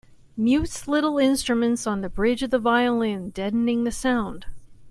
Mutes little instruments on the bridge of the violin, deadening the sound.